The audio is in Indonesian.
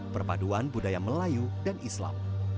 perpaduan budaya melayu dan islam